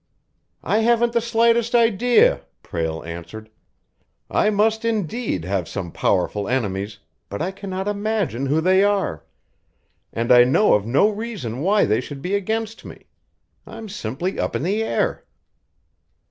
"I haven't the slightest idea," Prale answered. "I must, indeed, have some powerful enemies, but I cannot imagine who they are, and I know of no reason why they should be against me. I'm simply up in the air."